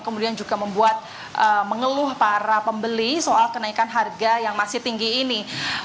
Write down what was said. kemudian juga membuat mengeluh para pembeli soal kenaikan harga yang masih tinggi ini